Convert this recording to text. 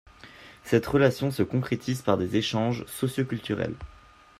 Cette relation se concrétise par des échanges socio-culturels.